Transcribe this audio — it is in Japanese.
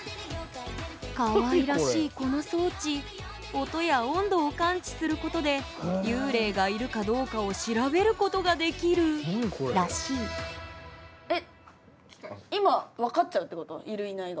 かわいらしいこの装置音や温度を感知することで幽霊がいるかどうかを調べることができるらしいいるいないが。